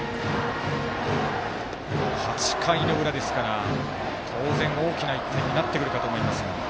８回の裏ですから当然、大きな１点になってくるかと思いますが。